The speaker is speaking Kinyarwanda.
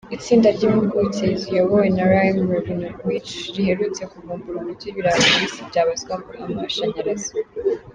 Itsinda ry’impuguke ziyobowe na Raim Ravinowitch riherutse kuvumbura uburyo ibirayi bibisi byabyazwa amashanyarazi.